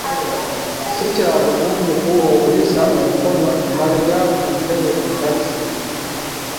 Ssi kya bugunjufu okuyisa omukono emabega ku ntebe mu takisi.